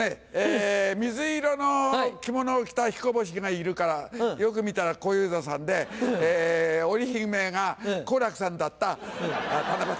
水色の着物を着た彦星がいるからよく見たら小遊三さんで織り姫が好楽さんだった七夕。